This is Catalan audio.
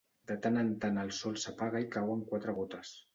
De tant en tant el sol s'apaga i cauen quatre gotes.